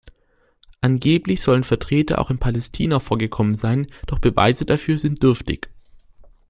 Angeblich sollen Vertreter auch in Palästina vorgekommen sein, doch Beweise dafür sind dürftig.